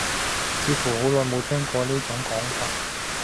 似乎好耐冇聽過呢種講法